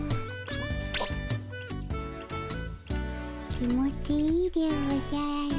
気持ちいいでおじゃる。